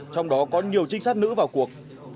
trong đó có nhiều trinh sát nữ vào cuộc